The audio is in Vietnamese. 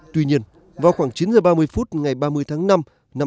tuy nhiên vào khoảng chín giờ ba mươi phút ngày ba mươi tháng năm năm hai nghìn một mươi sáu